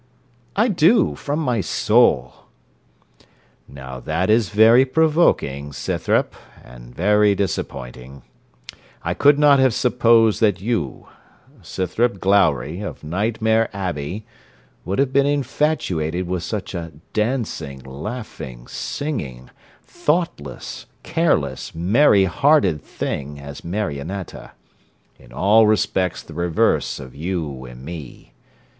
'I do, from my soul.' 'Now that is very provoking, Scythrop, and very disappointing: I could not have supposed that you, Scythrop Glowry, of Nightmare Abbey, would have been infatuated with such a dancing, laughing, singing, thoughtless, careless, merry hearted thing, as Marionetta in all respects the reverse of you and me.